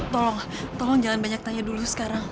tolong tolong jangan banyak tanya dulu sekarang